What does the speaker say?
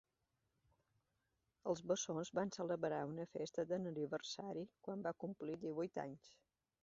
Els bessons van celebrar una festa d'aniversari quan va complir divuit anys.